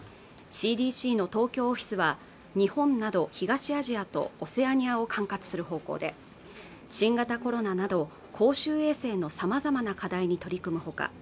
ＣＤＣの東京オフィスは日本など東アジアとオセアニアを管轄する方向で新型コロナなど公衆衛生のさまざまな課題に取り組むほか